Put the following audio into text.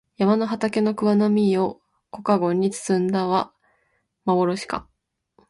山の畑の桑の実を小かごに摘んだはまぼろしか